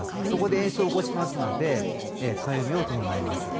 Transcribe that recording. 炎症を起こすのでかゆみを伴います。